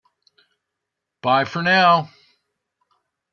Bye for now!